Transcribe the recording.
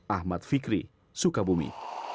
ahmad fikri sukabumi